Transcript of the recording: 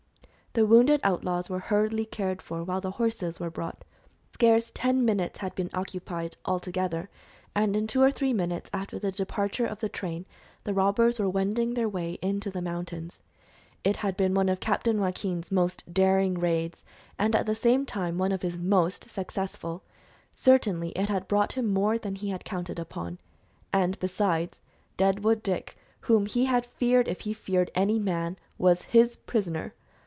The wounded outlaws were hurriedly cared for while the horses were brought. Scarce ten minutes had been occupied, all together, and in two or three minutes after the departure of the train the robbers were wending their way into the mountains. It had been one of Captain Joaquin's most daring raids, and at the same time one of his most successful; certainly it had brought him more than he had counted upon. And, besides, Deadwood Dick whom he had feared if he feared any man was his prisoner!